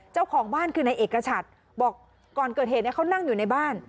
เจ้าของบ้านคือในเอกชัดบอกก่อนเกิดเหตุเขานั่งอยู่ในบ้าน